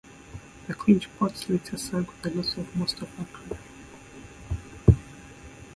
The "Cinque Ports" later sank with the loss of most of her crew.